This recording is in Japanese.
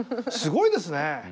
すごいですね。